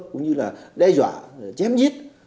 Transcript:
cũng như là đe dọa chém giết